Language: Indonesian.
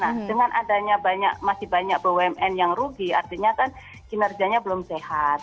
nah dengan adanya banyak masih banyak bumn yang rugi artinya kan kinerjanya belum sehat